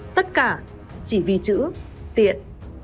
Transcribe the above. tất cả chỉ vì chữ tiện